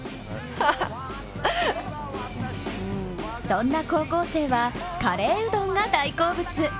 そんな高校生は、カレーうどんが大好物。